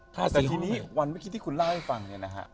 แต่ทีนี้วันเมื่อกี้ที่คุณเล่าให้ฟังเนี่ยนะฮะ